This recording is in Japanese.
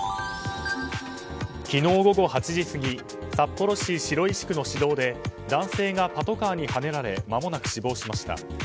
昨日午後８時過ぎ札幌市白石区の市道で男性がパトカーにはねられまもなく死亡しました。